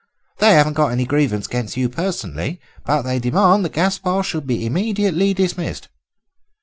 They haven't got any grievance against you personally, but they demand that Gaspare should be immediately dismissed."